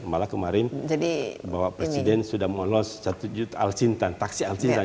malah kemarin bapak presiden sudah melolos satu juta al sintan taksi al sintan